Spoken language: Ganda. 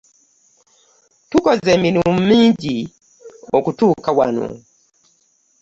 Tukoze emirimu mingi okutuuka wano.